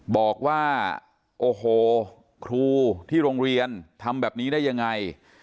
บอกว่าโอ้โหครูที่โรงเรียนทำแบบนี้ได้ยังไง